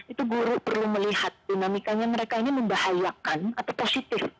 itu guru perlu melihat dinamikanya mereka ini membahayakan atau positif